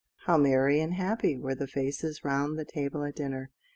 ] How merry and happy were the faces round the table at dinner!